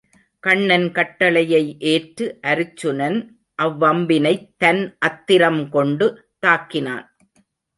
கண்ணன் கட்டளையை ஏற்று அருச்சுனன் அவ்வம் பினைத் தன் அத்திரம் கொண்டு தாக்கினான்.